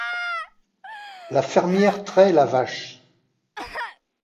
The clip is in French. la fermière trait la vache